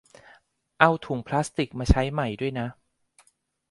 เอาถุงพลาสติกมาใช้ใหม่ด้วยนะ